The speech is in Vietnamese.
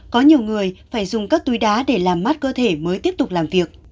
có nhiều người phải dùng các túi đá để làm mát cơ thể mới tiếp tục làm việc